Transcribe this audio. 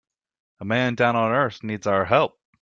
A man down on earth needs our help.